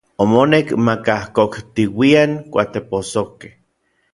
Omonek ma kajkoktiuian kuatepossojkej.